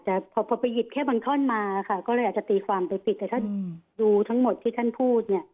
แต่พอไปหยิบแค่บางท่อนมาค่ะก็เลยอาจจะตีความไปปิดแต่ท่านดูทั้งหมดที่ท่านพูดเนี่ย